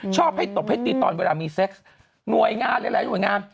ชอบให้ตบให้ตีตอนเวลามีเซ็กซ์หน่วยงานหลายหน่วยงาน